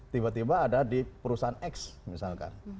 tiba tiba ada di perusahaan x misalkan